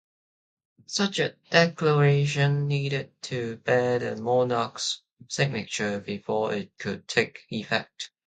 Such a declaration needed to bear the monarch's signature before it could take effect.